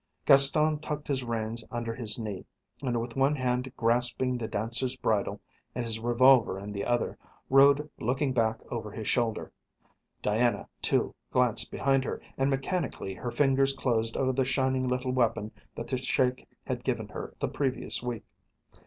Gaston tucked his reins under his knee, and with one hand grasping The Dancer's bridle and his revolver in the other, rode looking back over his shoulder. Diana, too, glanced behind her, and mechanically her fingers closed over the shining little weapon that the Sheik had given her the previous week.